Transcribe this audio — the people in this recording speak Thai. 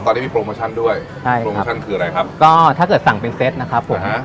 ตอนนี้มีโปรโมชั่นด้วยใช่ครับโปรโมชั่นคืออะไรครับก็ถ้าเกิดสั่งเป็นเซตนะครับผมฮะ